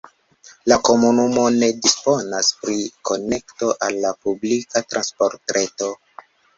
La komunumo ne disponas pri konekto al la publika transportreto.